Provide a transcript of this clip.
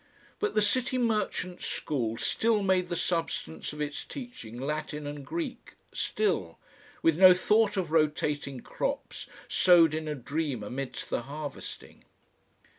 But the City Merchants School still made the substance of its teaching Latin and Greek, still, with no thought of rotating crops, sowed in a dream amidst the harvesting.